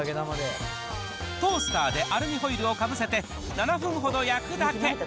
トースターでアルミホイルをかぶせて、７分ほど焼くだけ。